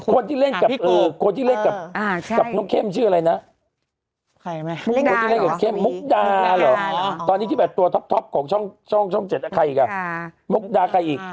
พี่อั้มมันเป็นโลโก้อะ